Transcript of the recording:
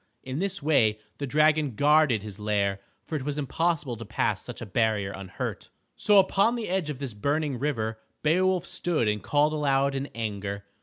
In this way the dragon guarded his lair, for it was impossible to pass such a barrier unhurt. So upon the edge of this burning river Beowulf stood and called aloud in anger.